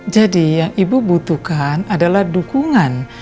jadi yang ibu butuhkan adalah dukungan